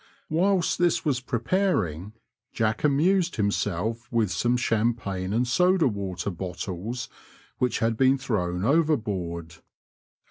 Whilst this was preparing, Jack amused himself with some champagne and soda water bottles which had been thrown overboard.